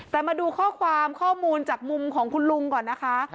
แต่มาดูข้อความข้อมูลจากมุมของคุณลุงก่อนนะคะ